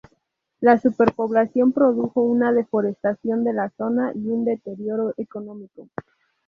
La superpoblación produjo una deforestación de la zona y un deterioro económico.